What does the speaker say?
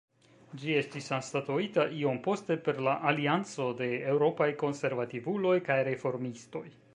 Ĝi estis anstataŭita iom poste per la Alianco de Eŭropaj Konservativuloj kaj Reformistoj.